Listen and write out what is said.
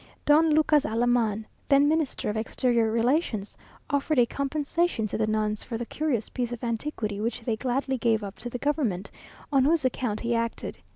Don Lucas Alaman, then Minister of Exterior Relations, offered a compensation to the nuns for the curious piece of antiquity which they gladly gave up to the government, on whose account he acted.